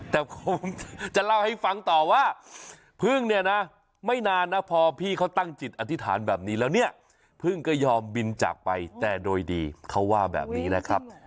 แต่คงจะเล่าให้ฟังต่อว่าพึ่งเนี่ยนะไม่นานนะพอพี่เขาตั้งจิตอธิษฐานแบบนี้แล้วเนี่ยพึ่งก็ยอมบินจากไปแต่โดยดีเขาว่าแบบนี้นะครับ